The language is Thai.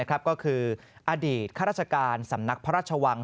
ก็คืออดีตข้าราชการสำนักพระราชวัง